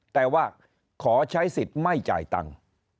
แต่ว่าขอใช้สิทธิ์ไม่จ่ายตังค์